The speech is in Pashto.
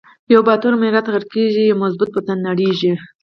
یو با تور ملت غر قیږی، یو مظبو ط وطن نړیزی